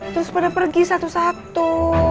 terus pada pergi satu satu